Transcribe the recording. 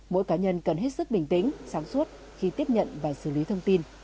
mỗi cá nhân cần hết sức bình tĩnh sáng suốt khi tiếp nhận và xử lý thông tin